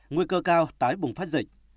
nguy cơ cao tái bùng phát dịch